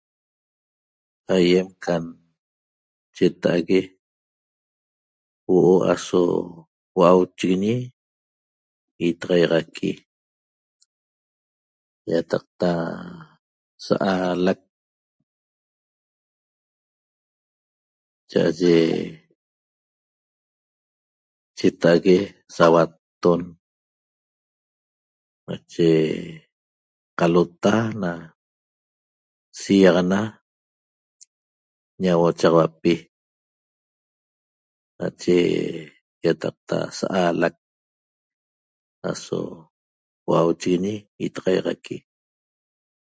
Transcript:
Aýem can cheta'ague huo'o aso hua'auchiguiñi itaxaiaxaqui ýataqta sa'aalac cha'aye cheta'ague sauatton nache qalota na siaxana nauochaxauapi nache ýataqta sa'aalac aso hua'auchiguiñi itaxaiaxaqui